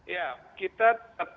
ya kita tetap mengambil